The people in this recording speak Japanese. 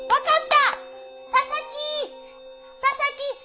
佐々木！